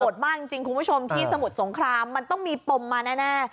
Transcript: มากจริงคุณผู้ชมที่สมุทรสงครามมันต้องมีปมมาแน่